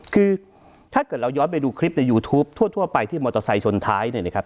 คือถ้าเกิดเราย้อนไปดูคลิปในยูทูปทั่วไปที่มอเตอร์ไซค์ชนท้ายเนี่ยนะครับ